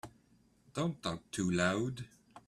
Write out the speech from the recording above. Don't talk too loud.